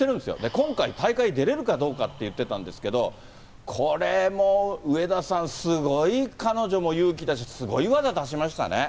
今回、大会出れるかどうかって言ってたんですけど、これも上田さん、すごい彼女も勇気だし、すごい技出しましたね。